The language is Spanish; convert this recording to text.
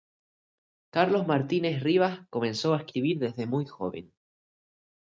Carlos Martínez Rivas comenzó a escribir desde muy joven.